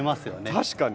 確かに。